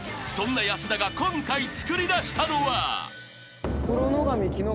［そんな安田が今回作り出したのは］